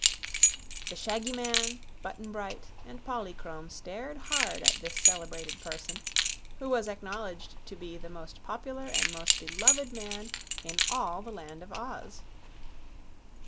The shaggy man, Button Bright, and Polychrome stared hard at this celebrated person, who was acknowledged to be the most popular and most beloved man in all the Land of Oz.